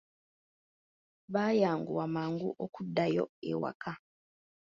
Baayanguwa mangu okuddayo ewaka.